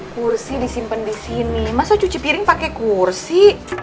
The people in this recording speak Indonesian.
kursi disimpan disini masa cuci piring pakai kursi